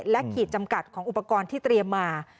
และขีดจำกัดของอุปกรณ์ที่เตรียมมา